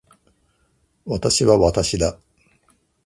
私は私だ。